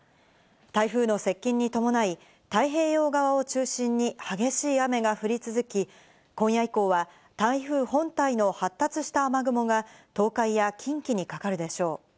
台風の接近に伴い、太平洋側を中心に激しい雨が降り続き、今夜以降は台風本体の発達した雨雲が東海や近畿にかかるでしょう。